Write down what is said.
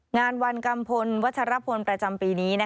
งานวันกัมพลวัชรพลประจำปีนี้